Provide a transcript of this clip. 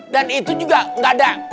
dan itu juga gak ada